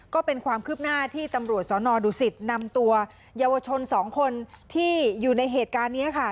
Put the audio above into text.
ก็เป็นความคืบหน้าที่ตำรวจสนดุสิตนำตัวเยาวชน๒คนที่อยู่ในเหตุการณ์นี้ค่ะ